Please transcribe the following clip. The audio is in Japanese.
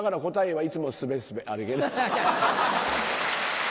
はい。